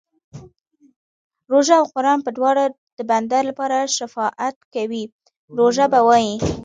روژه او قران به دواړه د بنده لپاره شفاعت کوي، روژه به وايي